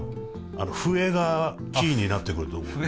あの笛がキーになってくると思うよ。